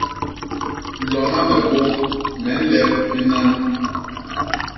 Lona me bôm me nlep binan.